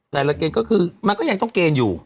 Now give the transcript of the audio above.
แต่ละเกณฑ์ก็คือมันก็ยังต้องเกณฑ์อยู่